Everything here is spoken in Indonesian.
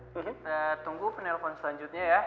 kita tunggu penelpon selanjutnya ya